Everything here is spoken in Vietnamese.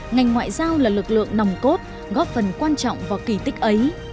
ngành ngoại giao là lực lượng nồng cốt góp phần quan trọng vào kỷ tích ấy